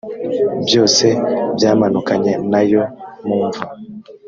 byose byamanukanye na yo mu mva